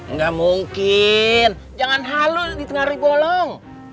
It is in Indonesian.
nggak mungkin jangan halu di tengah ribolong